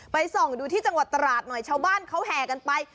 ส่องดูที่จังหวัดตราดหน่อยชาวบ้านเขาแห่กันไป